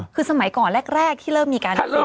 คือสมัยก่อนแรกที่เริ่มมีการเล่น